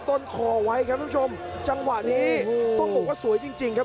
ต้นคอไว้ครับทุกผู้ชมจังหวะนี้ต้องบอกว่าสวยจริงจริงครับ